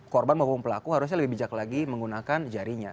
korban maupun pelaku harusnya lebih bijak lagi menggunakan jarinya